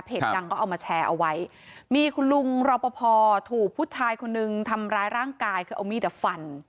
ดังก็เอามาแชร์เอาไว้มีคุณลุงรอปภถูกผู้ชายคนนึงทำร้ายร่างกายคือเอามีดอ่ะฟัน